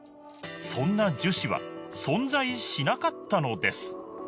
そんな樹脂は存在しなかったのです